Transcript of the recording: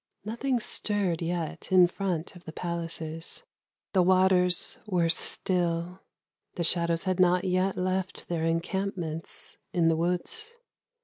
Nothing stirred yet in front of the palaces. The v. were still. The shadows bad not yet left their encampn in the woods.